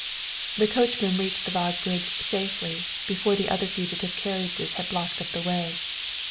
"The coachman reached the Waag bridge safely before the other fugitive carriages had blocked up the way.